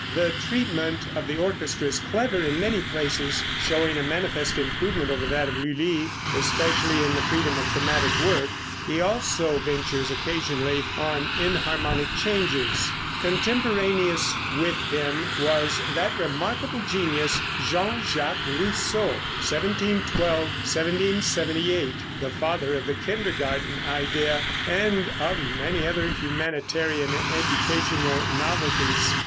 The treatment of the orchestra is clever in many places, showing a manifest improvement over that of Lulli, especially in the freedom of thematic work. He also ventures occasionally on enharmonic changes. Contemporaneous with him was that remarkable genius, Jean Jacques Rousseau (1712 1778), the father of the kindergarten idea, and of many other humanitarian and educational novelties.